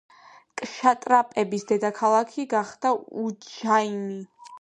ქშატრაპების დედაქალაქი გახდა უჯაინი.